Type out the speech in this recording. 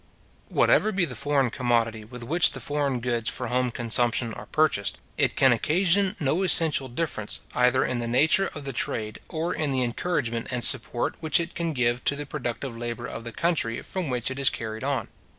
Whatever be the foreign commodity with which the foreign goods for home consumption are purchased, it can occasion no essential difference, either in the nature of the trade, or in the encouragement and support which it can give to the productive labour of the country from which it is carried on.